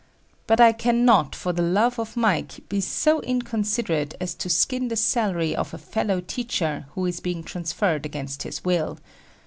But I cannot, for the love of Mike, be so inconsiderate as to skin the salary of a fellow teacher who is being transferred against his will.